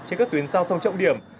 trên các tuyến giao thông trọng điểm